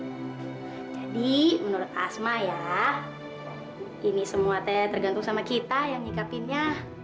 jadi menurut asma ya ini semua teh tergantung sama kita yang nyikapinnya